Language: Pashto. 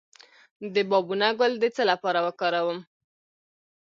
د بابونه ګل د څه لپاره وکاروم؟